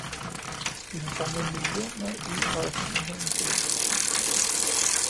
Vi har fanget millioner i afhængighedens elendighed.